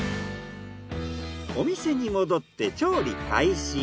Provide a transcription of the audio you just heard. お店に戻って調理開始。